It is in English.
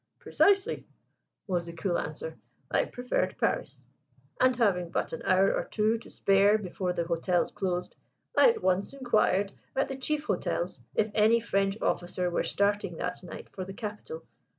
"Precisely," was the cool answer. "I preferred Paris: and having but an hour or two to spare before the hotels closed, I at once inquired at the chief hotels if any French officer were starting that night for the capital.